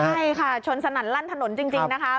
ใช่ค่ะชนสนั่นลั่นถนนจริงนะคะ